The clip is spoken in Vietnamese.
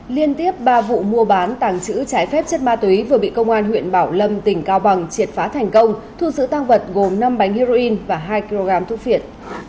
liên tiếp ba vụ mua bán tàng trữ trái phép chất ma túy vừa bị công an huyện bảo lâm tỉnh cao bằng triệt phá thành công thu giữ tăng vật gồm năm bánh heroin và hai kg thuốc viện